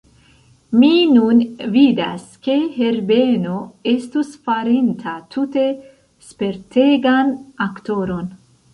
Mi nun vidas, ke Herbeno estus farinta tute spertegan aktoron.